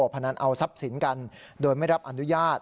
พนันเอาทรัพย์สินกันโดยไม่รับอนุญาต